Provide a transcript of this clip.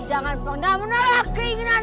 jangan pernah menolak keinginan